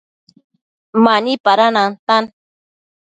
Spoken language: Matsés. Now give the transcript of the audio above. Mani pada nantan